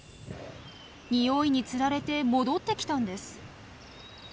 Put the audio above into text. ニオイにつられて戻ってきたんです。